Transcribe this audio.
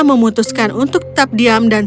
memutuskan untuk tetap diam dan